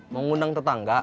mau ngundang tetangga